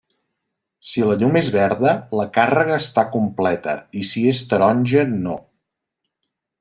Si la llum és verda, la càrrega està completa i si és taronja no.